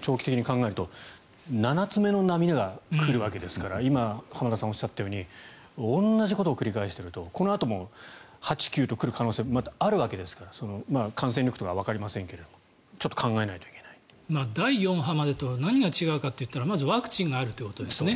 長期的に考えると７つ目の波が来るわけですから今、浜田さんがおっしゃったように同じことを繰り返しているとこのあとも８、９と来る可能性また、あるわけですから感染力とかはわかりませんが第４波までとは何が違うかといったらまずワクチンがあるということですね。